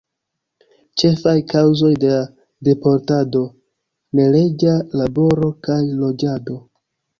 Ĉefaj kaŭzoj de la deportado: neleĝa laboro kaj loĝado.